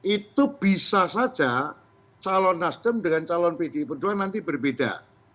itu bisa saja calon nasdem dengan calon pdi perjuangan nanti berbeda